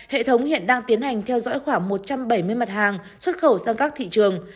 hệ thống hiện đang tiến hành theo dõi khoảng một trăm bảy mươi mặt hàng xuất khẩu sang các thị trường